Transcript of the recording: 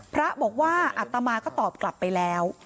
พระบอกว่าอัตมาก็ตอบกลับไปแล้ว